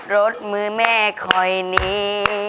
รสมื้อแม่คอยนิ้ว